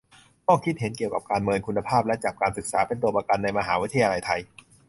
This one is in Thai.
ข้อคิดเห็น เกี่ยวกับการเมินคุณภาพและจับการศึกษาเป็นตัวประกันในมหาวิทยาลัยไทย